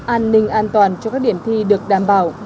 an ninh an toàn cho các điểm thi được đảm bảo